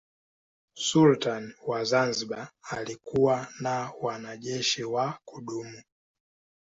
Sultani wa Zanzibar alikuwa na wanajeshi wa kudumu.